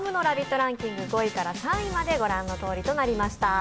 ランキング５位から３位まで御覧のとおりとなりました。